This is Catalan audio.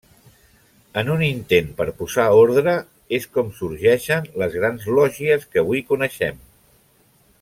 En un intent per posar ordre, és com sorgeixen les grans lògies que avui coneixem.